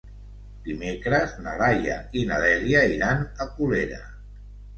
Dimecres na Laia i na Dèlia iran a Colera.